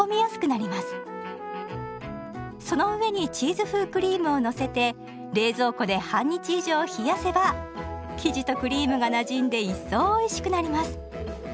その上にチーズ風クリームをのせて冷蔵庫で半日以上冷やせば生地とクリームがなじんで一層おいしくなります。